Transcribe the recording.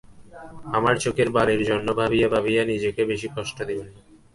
আমার চোখের বালির জন্য ভাবিয়া ভাবিয়া নিজেকে বেশি কষ্ট দিবেন না।